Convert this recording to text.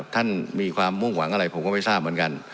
ท่านมีความมุ่งหวังอะไรผมก็ไม่ทราบเหมือนกัน